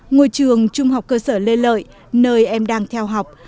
ngôi trường trung học cơ sở lê lợi nơi em đang theo học